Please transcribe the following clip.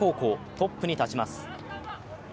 トップに立ちます。